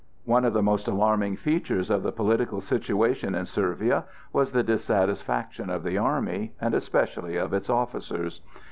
One of the most alarming features of the political situation in Servia was the dissatisfaction of the army, and especially of its officers.